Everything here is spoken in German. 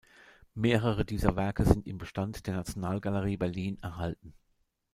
Mehrere dieser Werke sind im Bestand der Nationalgalerie Berlin erhalten.